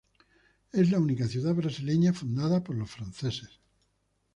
Es la única ciudad brasileña fundada por los franceses.